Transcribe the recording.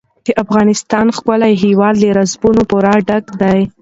د افغانستان ښکلی هېواد له رسوبونو پوره ډک دی.